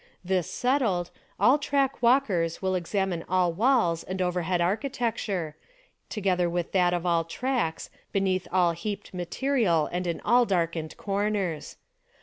This settled, all track v/alkers will examine all walls and overhead architecture, together with that of all tracks, beneath all heaped material and in all darkened corners.